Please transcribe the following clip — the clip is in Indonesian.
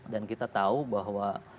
dan kita tahu bahwa